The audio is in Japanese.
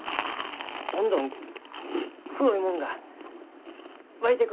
どんどん黒いもんが湧いてくるがです。